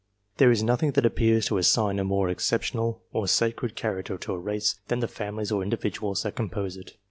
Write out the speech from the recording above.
There is nothing that appears to assign a more excep tional or sacred character to a race, than to the families or individuals that compose it.